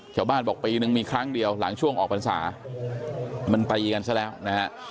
ชาวบ้านบอกปีนึงมีครั้งเดียวหลังช่วงออกพรรษามันตีกันซะแล้วนะฮะ